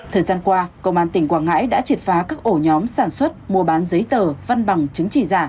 thời gian qua công an tỉnh quảng ngãi đã triệt phá các ổ nhóm sản xuất mua bán giấy tờ văn bằng chứng chỉ giả